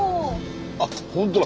あっ本当だ。